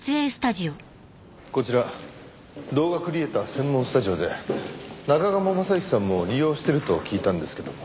こちら動画クリエイター専門スタジオで中鴨昌行さんも利用してると聞いたんですけども。